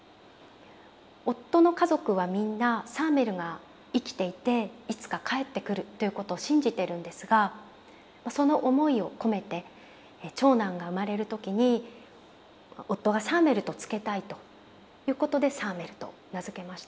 夫の家族はみんなサーメルが生きていていつか帰ってくるということを信じてるんですがその思いを込めて長男が生まれる時に夫がサーメルと付けたいということでサーメルと名付けました。